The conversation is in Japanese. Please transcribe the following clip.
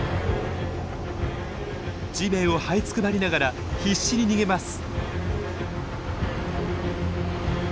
地面をはいつくばりながら必死に逃げます。